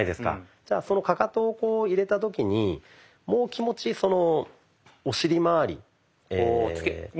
じゃあそのカカトを入れた時にもう気持ちそのお尻まわりに。